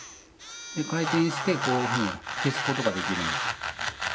回転してこういうふうに消すことができるんです。